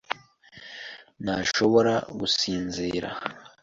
ntashobora gusinzira.